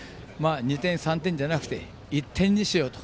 ２点、３点じゃなくて１点ですよと。